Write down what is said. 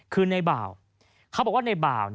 คือนายบ่าวเขาบอกว่านายบ่าว